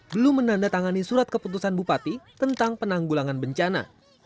belum menandatangani surat keputusan bupati tentang penanggulangan bencana